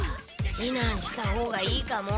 ひなんしたほうがいいかも。